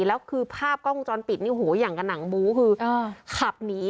แล้วคือภาพกล้องวงจรปิดนี่โหอย่างกับหนังบูคือขับหนี